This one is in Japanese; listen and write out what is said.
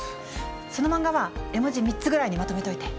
その漫画は絵文字３つぐらいにまとめといて。